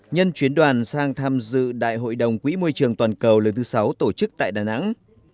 nhân chuyến đoàn sang tham dự đại hội đồng quỹ môi trường toàn cầu lần thứ sáu tổ chức tại đà nẵng